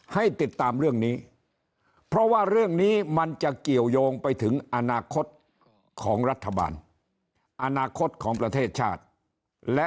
ให้ติดตามเรื่องนี้เพราะว่าเรื่องนี้มันจะเกี่ยวยงไปถึงอนาคตของรัฐบาล